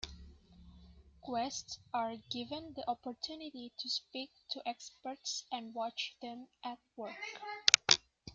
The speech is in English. Guests are given the opportunity to speak to experts and watch them at work.